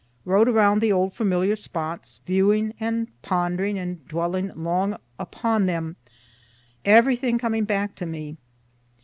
Rode around the old familiar spots, viewing and pondering and dwelling long upon them, every thing coming back to me.